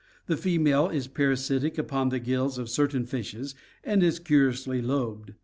The female is parasitic upon the gills of certain fishes and is curiously lobed.